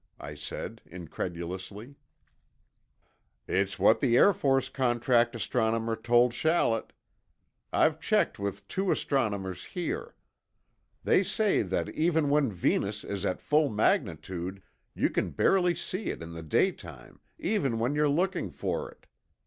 I said, incredulously. "It's what the Air Force contract astronomer told Shallett. I've checked with two astronomers here. They say that even when Venus is at full magnitude you can barely see it in the daytime even when you're looking for it.